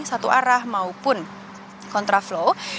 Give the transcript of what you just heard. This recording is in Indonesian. satu arah maupun kontra flow